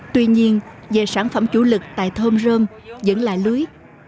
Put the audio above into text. tuy nhiên về sản phẩm chủ lực tại thơm rơm vẫn là lưới